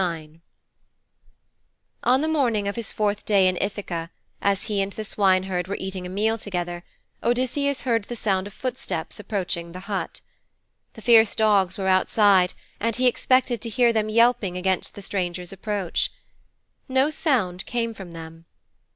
IX On the morning of his fourth day in Ithaka, as he and the swineherd were eating a meal together, Odysseus heard the sound of footsteps approaching the hut. The fierce dogs were outside and he expected to hear them yelping against the stranger's approach. No sound came from them.